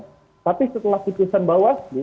tetapi setelah putusan bawaslu